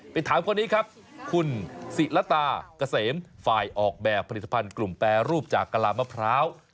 ไปถามคนนี้ครับคุณศิละตาเกษมฝ่ายออกแบบผลิตภัณฑ์กลุ่มแปรรูปจากกะลามะพร้าว